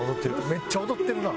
めっちゃ踊ってるな。